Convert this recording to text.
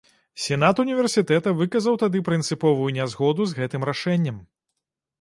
Сенат універсітэта выказаў тады прынцыповую нязгоду з гэтым рашэннем.